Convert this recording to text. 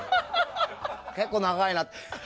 結構長いなって。